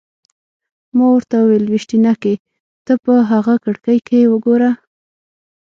ما ورته وویل: لویشتينکې! ته په هغه کړکۍ کې وګوره.